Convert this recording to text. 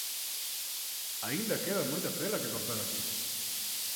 ¡Aínda queda moita tela que cortar aquí!